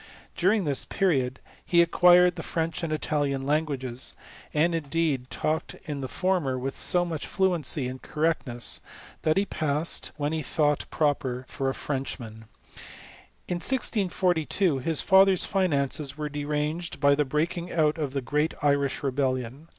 During this period, he acquired the French and Italian languages ; and, indeed, talked in the for mer with so much fluency and correctness,' that he passed, when he thought proper, for a Frenchman. In 1642, his father's finances were deranged, by the breaking out of the great Irish rebellion.